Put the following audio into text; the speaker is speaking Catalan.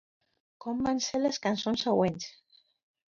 Com van ser les cançons següents?